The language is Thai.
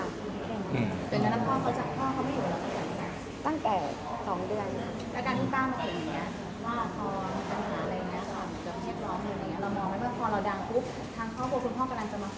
ตั้งแต่สองเดือน